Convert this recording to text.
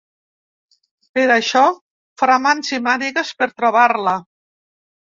Per això farà mans i mànigues per trobar-la.